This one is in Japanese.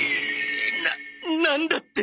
ななんだって！？